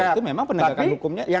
itu memang penegakan hukumnya